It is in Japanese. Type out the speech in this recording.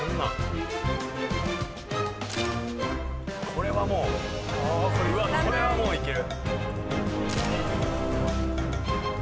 これはもうこれはもういける！